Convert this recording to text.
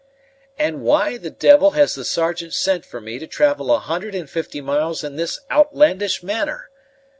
"And why the devil has the Sergeant sent for me to travel a hundred and fifty miles in this outlandish manner?